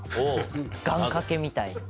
願掛けみたいな。